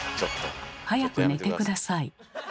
早く寝て下さい。